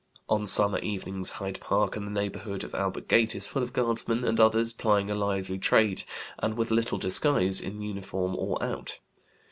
On summer evenings Hyde Park and the neighborhood of Albert Gate is full of guardsmen and others plying a lively trade, and with little disguise, in uniform or out.